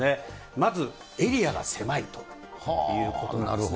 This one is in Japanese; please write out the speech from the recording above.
まずエリアが狭いということなんですね。